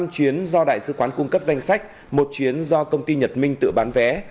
năm chuyến do đại sứ quán cung cấp danh sách một chuyến do công ty nhật minh tự bán vé